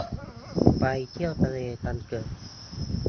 ไปเที่ยวทะเลกันเถอะ